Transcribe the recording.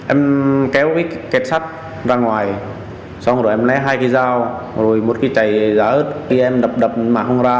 em kéo cái kết sắt ra ngoài xong rồi em lấy hai cái dao rồi một cái chày giá ớt kia em đập đập mà không ra